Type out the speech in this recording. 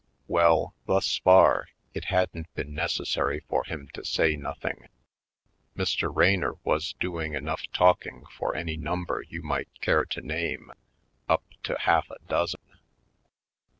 Well, thus far, it hadn't been necessary for him to say nothing — Mr. Raynor was doing enough talking for any number you might care to name, up to half a dozen.